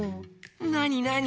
なになに？